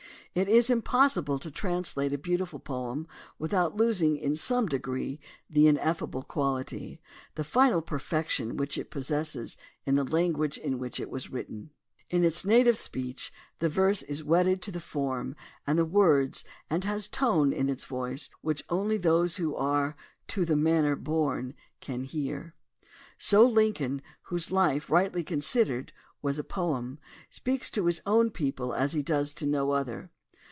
It is impossible to translate a beautiful poem without losing in some degree the ineffable quality, the final perfection which it possesses in the language in which it was written. In its native speech the verse is wedded to the form and to the words and has tones in its voice which only those who are "to the manner born" can hear. So Lincoln, whose life, rightly considered, was a poem, speaks to his own people as he does to no other.